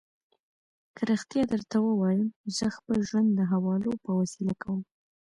که رښتیا درته ووایم، زه خپل ژوند د حوالو په وسیله کوم.